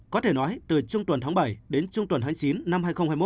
có thể nói từ trung tuần tháng bảy đến trung tuần tháng chín năm hai nghìn hai mươi một